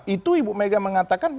itu ibu mega mengatakan